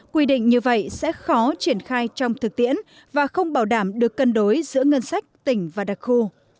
quy định như vậy sẽ khó triển khai trong thực tiễn và không bảo đảm được cân đối giữa ngân sách tỉnh và đặc khu